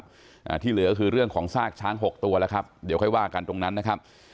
อ่าที่เหลือก็คือเรื่องของซากช้างหกตัวแล้วครับเดี๋ยวค่อยว่ากันตรงนั้นนะครับ